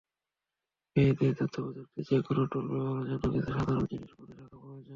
মেয়েদের তথ্যপ্রযুক্তির যেকোনো টুল ব্যবহারের জন্য কিছু সাধারণ জিনিস মনে রাখা প্রয়োজন।